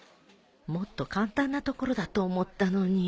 もっと簡単なところだと思ったのに